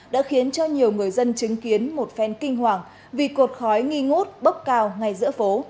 đã khiến cho nhiều người dân chứng kiến một phen kinh hoàng vì cột khói nghi ngút bốc cao ngay giữa phố